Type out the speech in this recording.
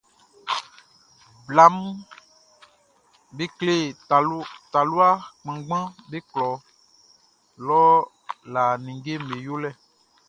Blaʼm be kle talua kannganʼm be klɔ lɔ lã ninngeʼm be yolɛ.